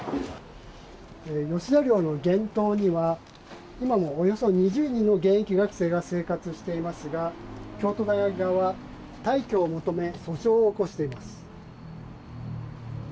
吉田寮の現棟には今もおよそ２０人の現役学生が生活をしていますが京都大学側は退去を求め訴訟を起こしています。